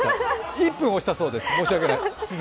１分、押したそうです、申し訳ない。